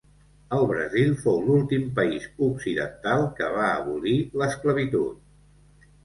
El Brasil fou l'últim país occidental que va abolir l'esclavitud.